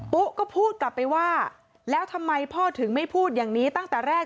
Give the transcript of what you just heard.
ุ๊ก็พูดกลับไปว่าแล้วทำไมพ่อถึงไม่พูดอย่างนี้ตั้งแต่แรก